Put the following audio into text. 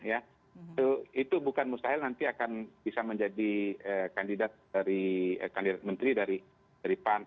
itu bukan mustahil nanti akan bisa menjadi kandidat dari kandidat menteri dari pan